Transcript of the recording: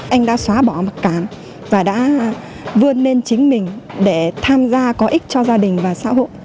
anh đã xóa bỏ mặc cảm và đã vươn lên chính mình để tham gia có ích cho gia đình và xã hội